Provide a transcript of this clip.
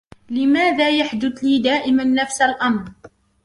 لماذا يحدث لي دائما نفس الأمر؟